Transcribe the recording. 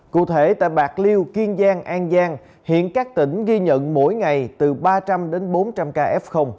cụ thể tại bạc liêu kiên giang an giang hiện các tỉnh ghi nhận mỗi ngày từ ba trăm linh đến bốn trăm linh ca f